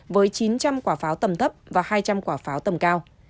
với chín trăm linh quả pháo tầm thấp và hai trăm linh quả pháo tầm cao